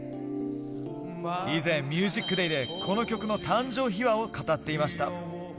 以前、ＭＵＳＩＣＤＡＹでこの曲の誕生秘話を語っていました。